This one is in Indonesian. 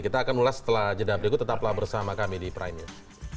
kita akan ulas setelah jeda berikut tetaplah bersama kami di prime news